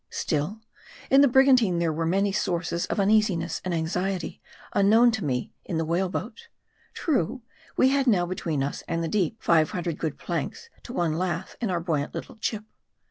Still, in the brigantine there were many sources of un easiness and anxiety unknown to me in the whale boat. True, we had now between us and the deep, five hundred good planks to one lath in our buoyant little chip.